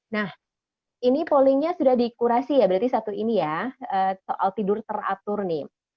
nah ini pollingnya sudah dikurasi ya berarti satu ini ya soal tidur teratur nih